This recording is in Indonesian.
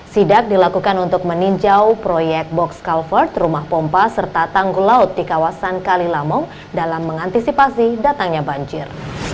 sidak dilakukan untuk meninjau proyek box culvert rumah pompa serta tanggul laut di kawasan kalilamong dalam mengantisipasi datangnya banjir